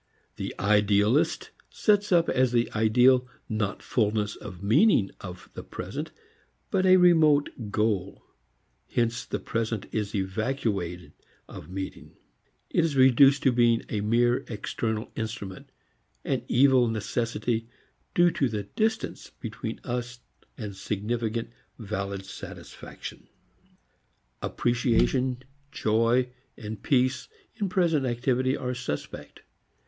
The "idealist" sets up as the ideal not fullness of meaning of the present but a remote goal. Hence the present is evacuated of meaning. It is reduced to being a mere external instrument, an evil necessity due to the distance between us and significant valid satisfaction. Appreciation, joy, peace in present activity are suspect.